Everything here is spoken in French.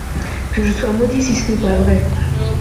Que je sois maudit si ce n’est pas vrai !